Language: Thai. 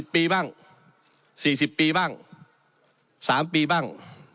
ปีบ้าง๔๐ปีบ้าง๓ปีบ้าง